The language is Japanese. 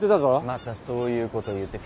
またそういうこと言って。